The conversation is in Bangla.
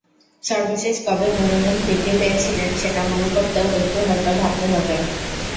সর্বশেষ কবে মুমিনুল ফিফটি পেয়েছিলেন, সেটা মনে করতেও একটু হয়তো ভাবতে হবে।